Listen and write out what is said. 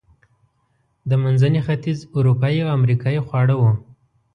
د منځني ختیځ، اروپایي او امریکایي خواړه و.